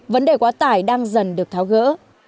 vấn đề quá tải đang dần được tháo gỡ